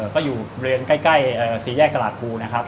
ก็อยู่เรียนใกล้ศรีแยกตลาดภูนะครับ